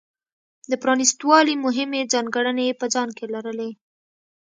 د پرانېست والي مهمې ځانګړنې یې په ځان کې لرلې.